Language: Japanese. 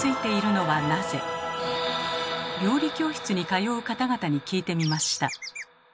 料理教室に通う方々に聞いてみました。